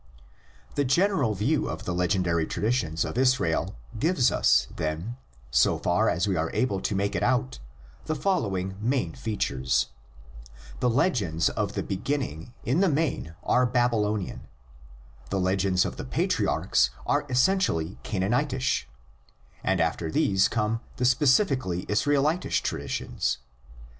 The general view of the legendary traditions of Israel gives us, then, so far as we are able to make it out, the following main features: The legends of the beginnings in the main are Babylonian, the legends of the patriarchs are essentially Canaanitish, and after these come the specifically Israelitish traditions.